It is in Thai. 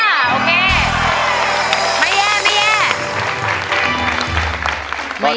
อ้าวโอเค